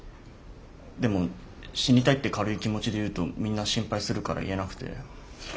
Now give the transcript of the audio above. でも死にたいって軽い気持ちで言うとみんな心配するから言えなくて。